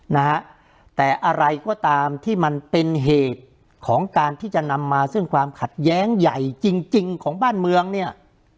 นะฮะแต่อะไรก็ตามที่มันเป็นเหตุของการที่จะนำมาซึ่งความขัดแย้งใหญ่จริงจริงของบ้านเมืองเนี่ย